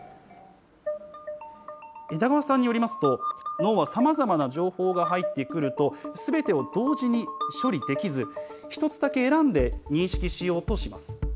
枝川さんによりますと、脳はさまざまな情報が入ってくると、すべてを同時に処理できず、１つだけ選んで認識しようとします。